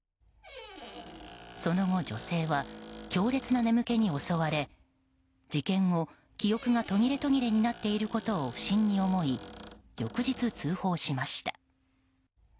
その後、女性は強烈な眠気に襲われ事件後、記憶が途切れ途切れになっていることを不審に思い、翌日通報しました。